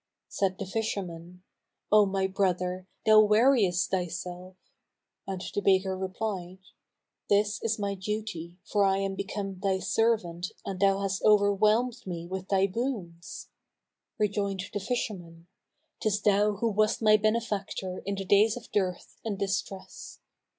Said the fisherman, "O my brother, thou weariest thyself;" and the baker replied, "This is my duty, for I am become thy servant and thou hast overwhelmed me with thy boons." Rejoined the fisherman, "'Tis thou who wast my benefactor in the days of dearth and distress."